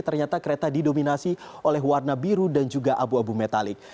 ternyata kereta didominasi oleh warna biru dan juga abu abu metalik